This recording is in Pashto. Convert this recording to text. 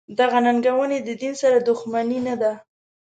دغه ننګونې له دین سره دښمني نه ده.